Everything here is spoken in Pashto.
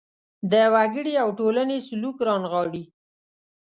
د وګړي او ټولنې سلوک رانغاړي.